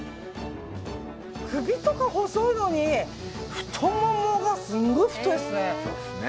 首とか細いのに太ももがすごい太いですね。